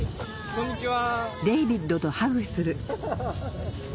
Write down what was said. こんにちは。